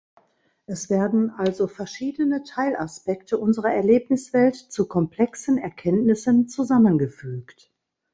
Es werden also verschiedene Teilaspekte unserer Erlebniswelt zu komplexen Erkenntnissen zusammengefügt.